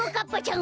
ん？